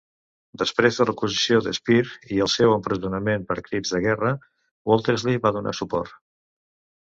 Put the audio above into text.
Després de l'acusació de Speer i el seu empresonament per crims de guerra, Woltersli va donar suport.